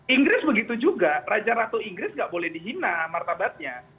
inggris begitu juga raja ratu inggris nggak boleh dihina martabatnya